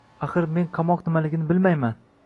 Axir, men qamoq nimaligini bilmayman